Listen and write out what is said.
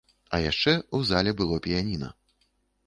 А яшчэ ў зале было піяніна.